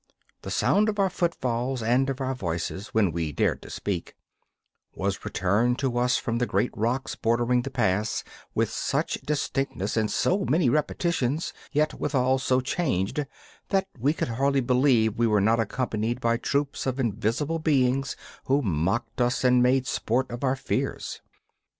The sound of our footfalls and of our voices, when we dared to speak, was returned to us from the great rocks bordering the pass, with such distinctness and so many repetitions, yet withal so changed, that we could hardly believe we were not accompanied by troops of invisible beings who mocked us and made sport of our fears.